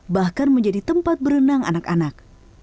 bahkan menjadi tempat berenang anak anak